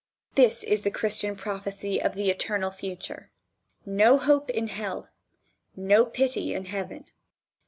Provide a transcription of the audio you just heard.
This is the Christian prophecy of the eternal future: No hope in hell. No pity in heaven.